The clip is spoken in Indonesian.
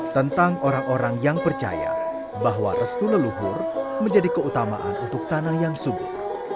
tentang orang orang yang percaya bahwa restu leluhur menjadi keutamaan untuk tanah yang subur